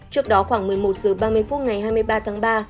trước đó khoảng một mươi một h ba mươi phút ngày hai mươi ba tháng ba